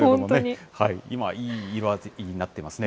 今、いい色づきになっていますね。